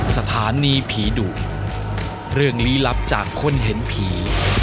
สถานีผีดุเรื่องลี้ลับจากคนเห็นผี